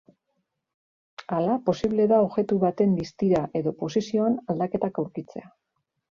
Hala posible da objektu baten distira edo posizioan aldaketak aurkitzea.